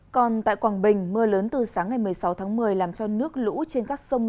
còn tại quảng bình mưa lớn từ sáng ngày một mươi sáu tháng một mươi làm cho nước lũ trên các sông